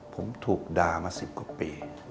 ผมถูกด่ามา๑๐กว่าปี